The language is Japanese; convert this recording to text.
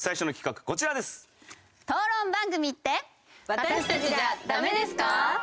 私たちじゃダメですか？